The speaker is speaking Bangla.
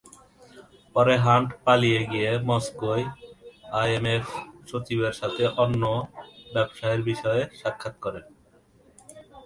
পরে হান্ট পালিয়ে গিয়ে মস্কোয় আইএমএফ সচিবের সাথে অন্য ব্যবসায়ের বিষয়ে সাক্ষাত করেন।